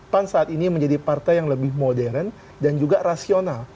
pan saat ini menjadi partai yang lebih modern dan juga rasional